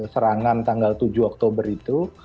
serangan tanggal tujuh oktober itu